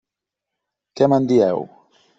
Què me'n dieu?